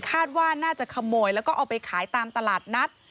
คาดว่าน่าจะขโมยแล้วก็เอาไปขายตามตลาดนัด